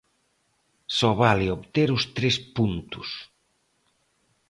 Só vale obter os tres puntos.